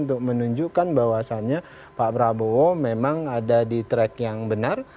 untuk menunjukkan bahwasannya pak prabowo memang ada di track yang benar